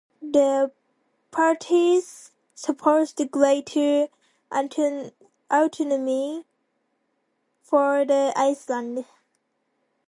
The parties supported greater autonomy for the islands.